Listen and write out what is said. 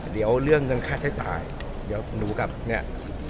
เดี๋ยวเรื่องเงินค่าใช้จ่ายเดี๋ยวหนูกลับเนี่ย